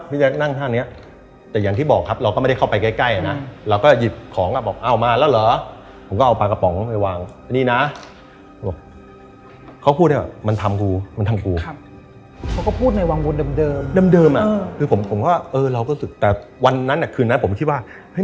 พี่แจ๊กนั่งท่านี้